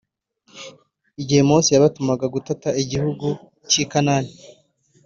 Igihe Mose yabatumaga gutata igihugu cy i Kanani